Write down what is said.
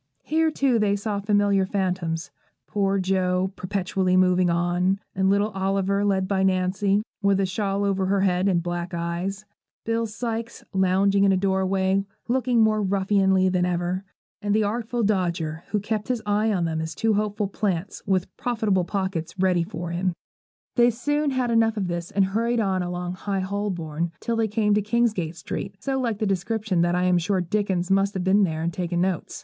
Here, too, they saw familiar phantoms: poor Jo, perpetually moving on; and little Oliver led by Nancy, with a shawl over her head and a black eye; Bill Sykes, lounging in a doorway, looking more ruffianly than ever; and the Artful Dodger, who kept his eye on them as two hopeful 'plants' with profitable pockets ready for him. They soon had enough of this, and hurried on along High Holborn, till they came to Kingsgate Street, so like the description that I am sure Dickens must have been there and taken notes.